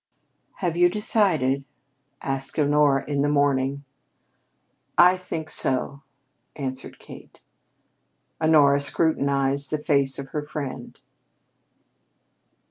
"Have you decided?" asked Honora in the morning. "I think so," answered Kate. Honora scrutinized the face of her friend.